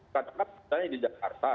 kadang kadang misalnya di jakarta